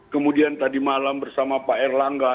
kemudian tadi malam bersama pak erlangga